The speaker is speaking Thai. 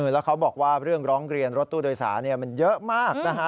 แล้วเขาบอกว่าเรื่องร้องเรียนรถตู้โดยสารมันเยอะมากนะฮะ